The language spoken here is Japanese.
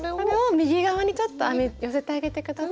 右側にちょっと寄せてあげて下さい。